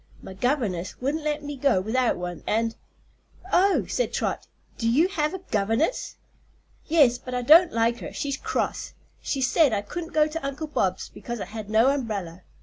My governess wouldn't let me go without one, and " "Oh," said Trot; "do you have a governess?" "Yes; but I don't like her; she's cross. She said I couldn't go to Uncle Bob's because I had no umbrella.